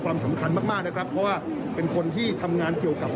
สำคัญมากมากนะครับเพราะว่าเป็นคนที่ทำงานเกี่ยวกับ